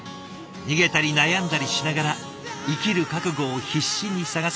逃げたり悩んだりしながら生きる覚悟を必死に探す。